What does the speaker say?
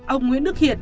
ông nguyễn đức hiển